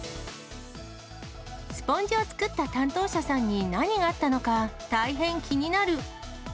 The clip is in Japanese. スポンジを作った担当者さんに何があったのか大変気になる。